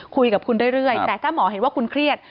คุยกับคุณเรื่อยแต่ถ้าหมอเห็นว่าคุณเครียด